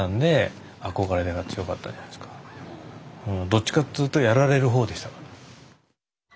どっちかっつうとやられる方でしたから。